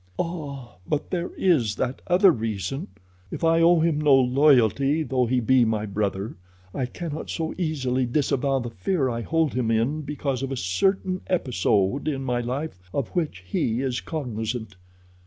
"Ah, but there is that other reason. If I owe him no loyalty though he be my brother, I cannot so easily disavow the fear I hold him in because of a certain episode in my life of which he is cognizant.